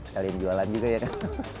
kalian jualan juga ya kan